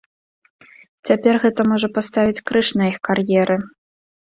Цяпер гэта можа паставіць крыж на іх кар'еры.